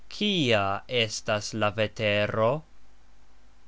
Kia estas la vetero?